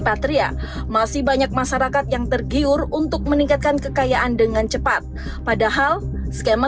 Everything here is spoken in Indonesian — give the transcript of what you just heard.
patria masih banyak masyarakat yang tergiur untuk meningkatkan kekayaan dengan cepat padahal skema